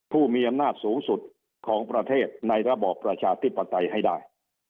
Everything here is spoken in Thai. ผู้มีอำนาจสูงสุดของประเทศในระบอบประชาธิปไตยให้ได้